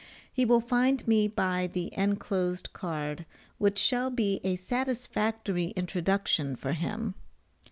He will find me by the enclosed card, which shall be a satisfactory introduction for him.